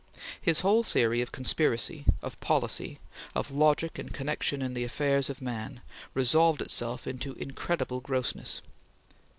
His whole theory of conspiracy of policy of logic and connection in the affairs of man, resolved itself into "incredible grossness."